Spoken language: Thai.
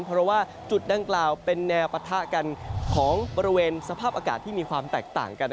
เพราะว่าจุดดังกล่าวเป็นแนวปะทะกันของบริเวณสภาพอากาศที่มีความแตกต่างกัน